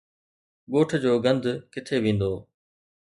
ڳوٺ جو گند ڪٿي ويندو؟